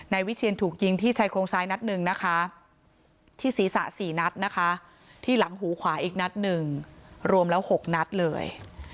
วิเชียนถูกยิงที่ชายโครงซ้ายนัดหนึ่งนะคะที่ศีรษะ๔นัดนะคะที่หลังหูขวาอีกนัดหนึ่งรวมแล้ว๖นัดเลย